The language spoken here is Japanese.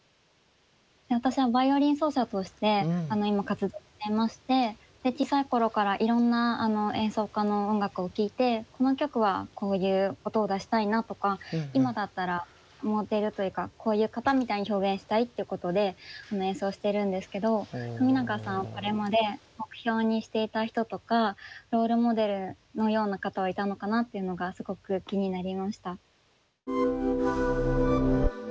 私はバイオリン奏者として今活動していまして小さい頃からいろんな演奏家の音楽を聴いてこの曲はこういう音を出したいなとか今だったらモデルというかこういう方みたいに表現したいってことで演奏してるんですけど冨永さんはこれまで目標にしていた人とかロールモデルのような方はいたのかなっていうのがすごく気になりました。